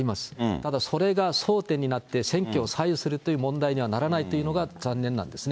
ただ、それが争点になって、選挙を左右するという問題にはならないというのが、残念なんですね。